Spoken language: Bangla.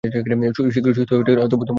শীঘ্রই সুস্থ হয়ে উঠো, তোমাকে মিস করছি!